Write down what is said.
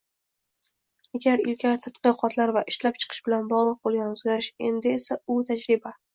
Agar ilgari tadqiqotlar va ishlab chiqish bilan bogʻliq boʻlgan oʻzgarish, endi esa u tajriba.